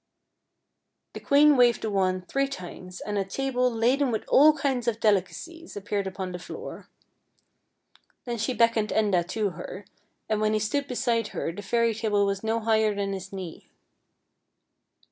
The queen waved the wand three times, and a table laden with all kinds of delit ;icics appeared upon the floor. Then she beckoned Enda to her, 36 FAIRY TALES and when he stood beside her the fairy table was no higher than his knee.